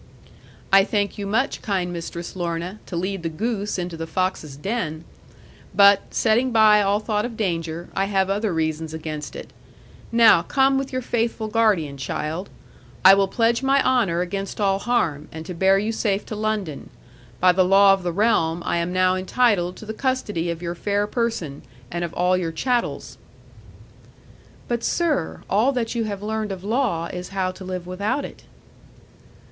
'"I thank you much, kind Mistress Lorna, to lead the goose into the fox's den! But, setting by all thought of danger, I have other reasons against it. Now, come with your faithful guardian, child. I will pledge my honour against all harm, and to bear you safe to London. By the law of the realm, I am now entitled to the custody of your fair person, and of all your chattels." '"But, sir, all that you have learned of law, is how to live without it."